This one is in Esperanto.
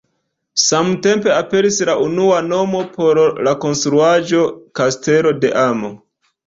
Samtempe aperis la unua nomo por la konstruaĵo: "Kastelo de amo".